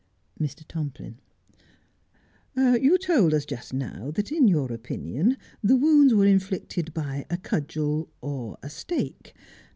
Mr. Tomplin : You told us just now that, in your opinion, the wounds were inflicted by a cudgel or a stake.